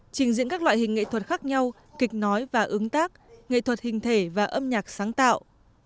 trình diễn các loại hình nghệ thuật khác nhau kịch nói và ứng tác nghệ thuật hình thể và âm nhạc sáng tạo